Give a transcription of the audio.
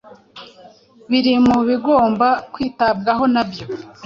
biri mu bigomba kwitabwaho nabyo.